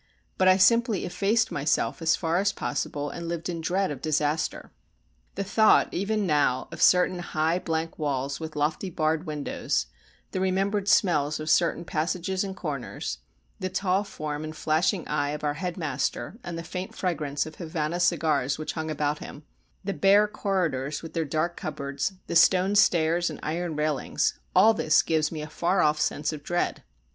But I simply effaced myself as far as possible, and lived in dread of disaster. The thought even now of certain high blank walls with lofty barred windows, the remembered smells of certain passages and corners, the tall form and flashing eye of our headmaster and the faint fragrance of Havana cigars which hung about him, the bare corridors with their dark cupboards, the stone stairs and iron railings all this gives me a far off sense of dread.